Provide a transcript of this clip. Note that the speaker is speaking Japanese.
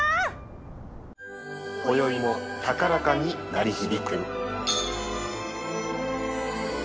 こよいも高らかに鳴り響く。